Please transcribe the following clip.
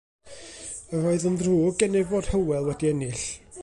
Yr oedd yn ddrwg gennyf fod Hywel wedi ennill.